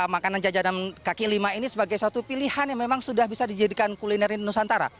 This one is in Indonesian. makanan jajanan kaki lima ini sebagai satu pilihan yang memang sudah bisa dijadikan kuliner nusantara